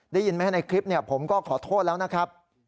ได้ยินไหมในคลิปผมก็ขอโทษแล้วนะครับ